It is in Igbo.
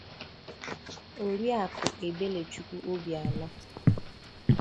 Oriakụ Ebelechukwu Obianọ